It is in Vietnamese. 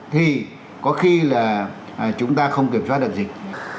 thì có khi là chúng ta không kiểm soát được dịch